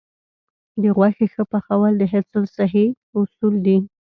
د غوښې ښه پخول د حفظ الصحې اصول دي.